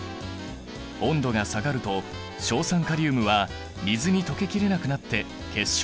温度が下がると硝酸カリウムは水に溶けきれなくなって結晶となる。